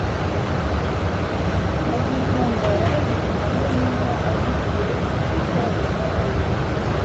kazitunga yabajije Mariya niba azi igihe igitaramo cyatangiriye